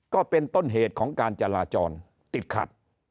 ก็เป็นต้นเหตุของการจราจรติดขัด